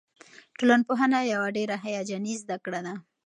ټولنپوهنه یوه ډېره هیجاني زده کړه ده.